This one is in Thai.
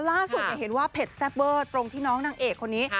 ล่าสุดเห็นว่าเผ็ดแซ่บเวอร์ตรงที่น้องนางเอกคนนี้